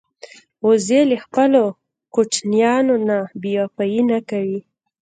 وزې له خپلو کوچنیانو نه بېوفايي نه کوي